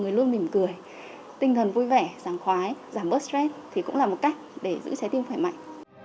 người luôn mỉm cười tinh thần vui vẻ giảng khoái giảm bớt stress thì cũng là một cách để giữ trái tim khỏe mạnh